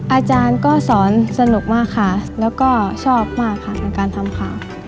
อาจารย์ก็สอนสนุกมากค่ะแล้วก็ชอบมากค่ะในการทำข่าว